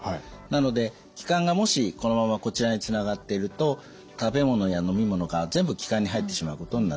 なので気管がもしこのままこちらにつながっていると食べ物や飲み物が全部気管に入ってしまうことになってしまう。